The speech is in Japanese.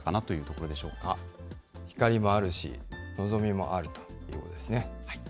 ろろ光もあるし、のぞみもあるということですね。